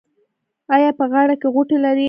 ایا په غاړه کې غوټې لرئ؟